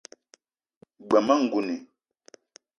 G-beu ma ngouni